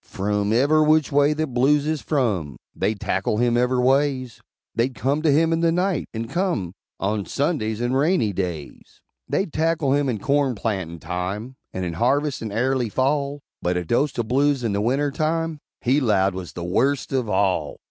Frum ever' which way that blues is from, They'd tackle him ever' ways; They'd come to him in the night, and come On Sundays, and rainy days; They'd tackle him in corn plantin' time, And in harvest, and airly Fall, But a dose't of blues in the wintertime, He 'lowed, was the worst of all!